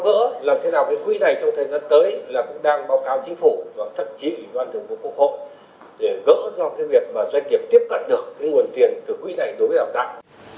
và thậm chí đoàn thường của quốc hộ để gỡ do cái việc doanh nghiệp tiếp cận được cái nguồn tiền từ quỹ này đối với đạo tạng